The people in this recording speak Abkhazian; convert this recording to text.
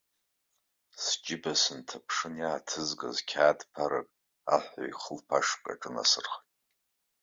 Сџьыба сынҭаԥшын иааҭызгаз қьаадԥарак аҳәаҩ ихылԥа ашҟа аҿынасырхеит.